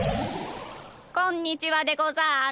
こんにちはでござる。